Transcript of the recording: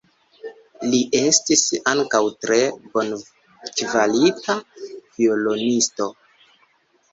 Li estis ankaŭ tre bonkvalita violonisto.